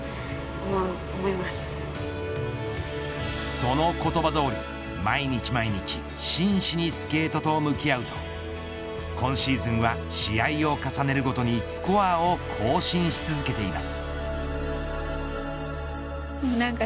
その言葉どおり毎日毎日真摯にスケートと向き合うと今シーズンは試合を重ねるごとにスコアを更新し続けています。